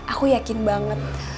aku yakin banget